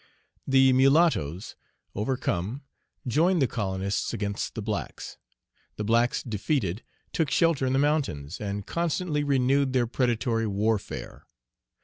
The mulattoes, overcome, joined the colonists against the blacks. The blacks, defeated, took shelter in the mountains, and constantly renewed their predatory warfare.